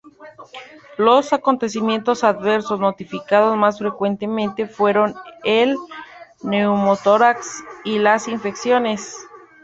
Los acontecimientos adversos notificados más frecuentemente fueron el neumotórax y las infecciones.